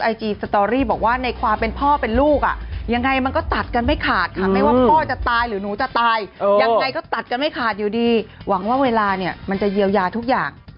ยังไงก็ตัดกันไม่ขาดอยู่ดีหวังว่าเวลามันจะเยียวยาทุกอย่าง